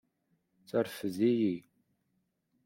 Terfed-iyi.